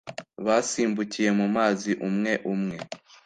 Basimbukiye mu mazi umwe umwe